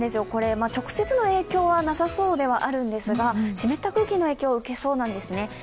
直接の影響はなさそうではあるんですが、湿った空気の影響を受けそうなんですね。